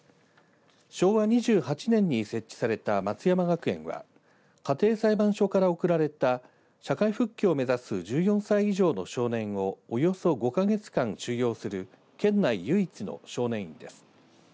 昭和２８年に設置された松山学園は家庭裁判所から送られた社会復帰を目指す１４歳以上の少年をおよそ５か月間収容する県内唯一の少年院です。